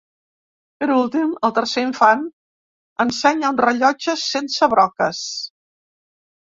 Per últim, el tercer infant, ensenya un rellotge sense broques.